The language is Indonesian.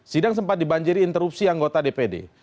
sidang sempat dibanjiri interupsi anggota dpd